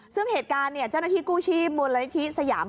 ซึ่งเหตุการณ์เจ้าหน้าที่กู้ชีพมูลนิธิสยาม